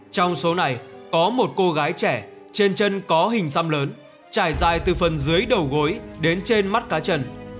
trong số này có một cô gái trẻ trên chân có hình xăm lớn trải dài từ phần dưới đầu gối đến trên mắt cá trần